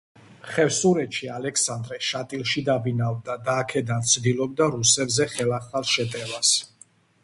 ხევსურეთში ალექსანდრე შატილში დაბინავდა და აქედან ცდილობდა რუსებზე ხელახალ შეტევას.